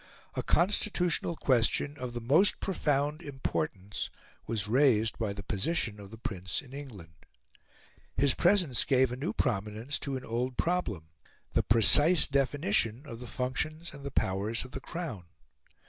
A constitutional question of the most profound importance was raised by the position of the Prince in England. His presence gave a new prominence to an old problem the precise definition of the functions and the powers of the Crown.